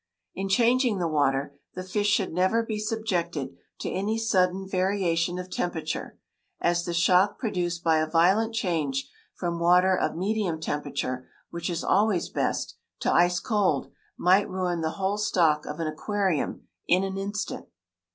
In changing the water the fish should never be subjected to any sudden variation of temperature, as the shock produced by a violent change from water of medium temperature, which is always best, to ice cold, might ruin the whole stock of an aquarium in an instant.